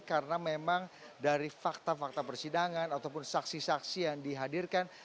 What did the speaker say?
karena memang dari fakta fakta persidangan ataupun saksi saksi yang dihadirkan